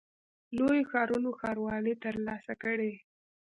لویو ښارونو ښاروالۍ ترلاسه کړې.